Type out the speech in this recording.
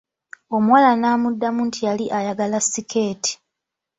Omuwala n'amuddamu nti yali ayagala sikeeti.